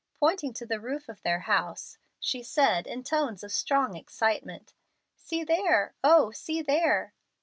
Pointing to the roof of their house, she said, in tones of strong excitement, "See there oh, see there!"